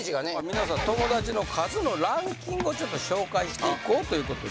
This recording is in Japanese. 皆さん友だちの数のランキングをちょっと紹介していこうということで。